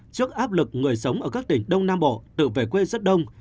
trước áp lực người sống ở các tỉnh đông nam bộ tự về quê rất đông